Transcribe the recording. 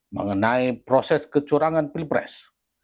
mengenai proses kecurangan pilpres